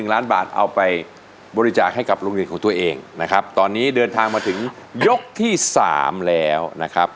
ล้านบาทเอาไปบริจาคให้กับโรงเรียนของตัวเองนะครับตอนนี้เดินทางมาถึงยกที่๓แล้วนะครับ